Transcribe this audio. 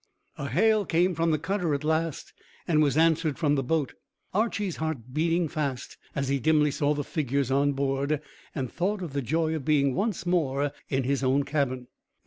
A hail came from the cutter at last, and was answered from the boat, Archy's heart beating fast as he dimly saw the figures on board, and thought of the joy of being once more in his own cabin.